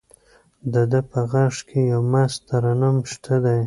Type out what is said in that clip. د ده په غږ کې یو مست ترنم شته دی.